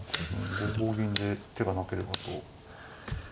５五銀で手がなければと。